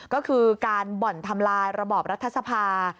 ก็คือการบ่อนทำลายระบอบรัฐสภา